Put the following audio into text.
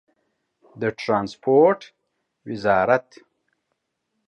د ټرانسپورټ وزارت